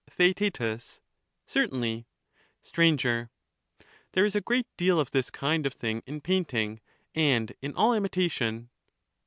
Theaet. Certainly. Str. There is a great deal of this kind of thing in painting, and in all imitation.